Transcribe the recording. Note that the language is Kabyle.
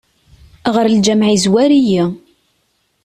Ɣer lǧameɛ yezwar-iyi.